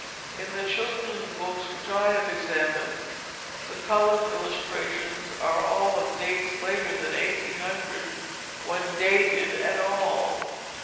In the children's books which I have examined, the colored illustrations are all of dates later than 1800 (when dated at all).